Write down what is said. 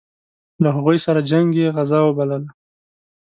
له هغوی سره جنګ یې غزا وبلله.